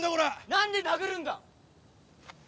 なんで殴るんだ！？